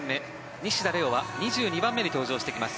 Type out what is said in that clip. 西田玲雄は２２番目に登場してきます。